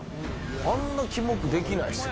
あんなキモくできないですよ。